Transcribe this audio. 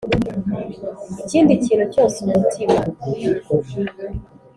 ikindi kintu cyose umutima